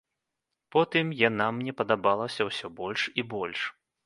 Потым яна мне падабалася ўсё больш і больш.